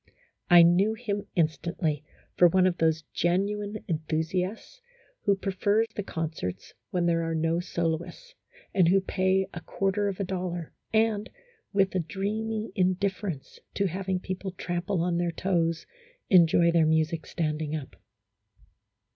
I knew 22 A HYPOCRITICAL ROMANCE. him instantly for one of those genuine enthusiasts who prefer the concerts when there are no soloists, and who pay a quarter of a dollar and, with a dreamy indifference to having people trample on their toes, enjoy their music standing up.